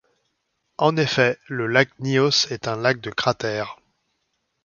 En effet, le lac Nyos est un lac de cratère.